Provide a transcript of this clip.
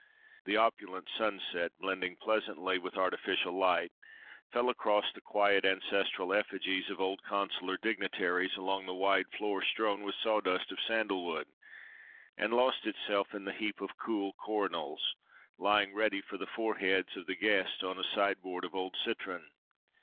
The opulent sunset, blending pleasantly with artificial light, fell across the quiet ancestral effigies of old consular dignitaries, along the wide floor strewn with sawdust of sandal wood, and lost itself in the heap of cool coronals, lying ready for the foreheads of the guests on a sideboard of old citron.